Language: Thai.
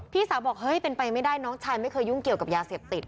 พี่สาวบอกเฮ้ยเป็นไปไม่ได้น้องชายไม่เคยยุ่งเกี่ยวกับยาเสพติด